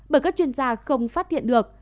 bởi các chuyên gia không phát hiện được